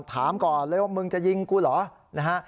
ถามก่อนเลยว่ามึงจะยิงกูเหรอนะฮะ